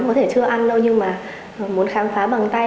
có thể chưa ăn đâu nhưng mà muốn khám phá bằng tay